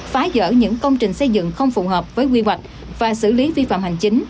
phá dỡ những công trình xây dựng không phù hợp với quy hoạch và xử lý vi phạm hành chính